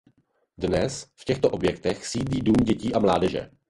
Dnes v těchto objektech sídlí Dům dětí a mládeže.